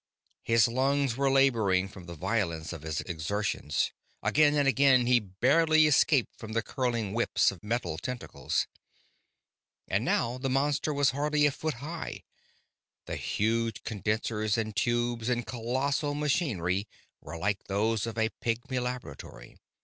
His lungs were laboring from the violence of his exertions; again and again he barely escaped from the curling whips of metal tentacles. And now the monster was hardly a foot high; the huge condensers and tubes and colossal machinery were like those of a pygmy laboratory.